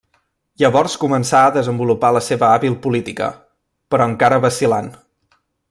Llavors començà a desenvolupar la seva hàbil política, però encara vacil·lant.